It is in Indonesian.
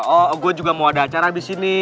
oh gua juga mau ada acara disini